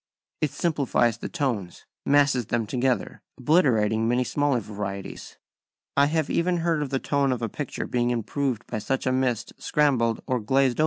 It simplifies the tones, masses them together, obliterating many smaller varieties. I have even heard of the tone of a picture being improved by such a mist scrambled or glazed over it.